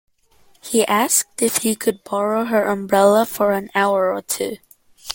He asked if he could borrow her umbrella for an hour or two